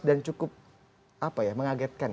dan cukup mengagetkan